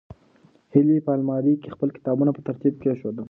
هیلې په المارۍ کې خپل کتابونه په ترتیب کېښودل.